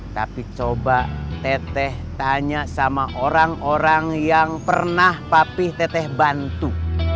tapi coba teteh tanya sama orang orang yang pernah papih teteh bantu